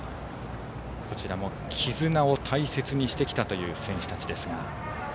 こちらも絆を大切にしてきたという選手たちです。